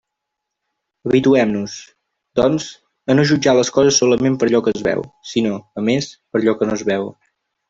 Habituem-nos, doncs, a no jutjar les coses solament per allò que es veu, sinó, a més, per allò que no es veu.